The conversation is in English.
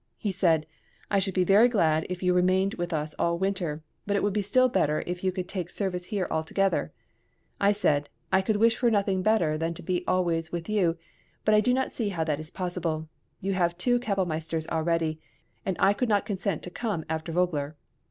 He said, "I should be very glad if you remained with us all winter; but it would be still better if you could take service here altogether. I said, "I could wish for nothing better than to be always with you, but I do not see how that is possible. You have two kapellmeisters already, and I could not consent to come after Vogler."